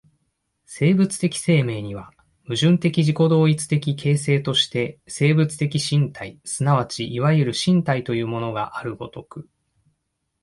生物的生命には、矛盾的自己同一的形成として生物的身体即ちいわゆる身体というものがある如く、